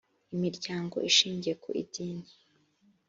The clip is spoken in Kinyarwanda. imiryango ishingiye ku idini